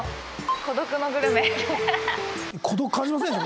孤独感じませんよ